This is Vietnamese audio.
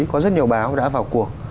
có rất nhiều báo đã vào cuộc